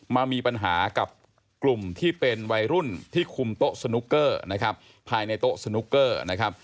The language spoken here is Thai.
มามีปัญหากับกลุ่มที่เป็นวัยรุ่นที่คุมโต๊ะสนุกเกอร์นะครับภายในโต๊ะสนุกเกอร์นะครับ